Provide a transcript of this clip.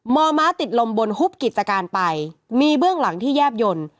อมม้าติดลมบนฮุบกิจการไปมีเบื้องหลังที่แยบยนต์